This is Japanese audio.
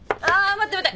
待って待って。